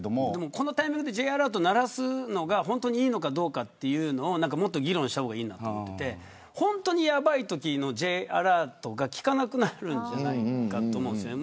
このタイミングでＪアラートを鳴らすのが本当にいいのかどうかというのをもっと議論した方がいいなと思っていて本当にやばいときのＪアラートが効かなくなるんじゃないかと思うんです。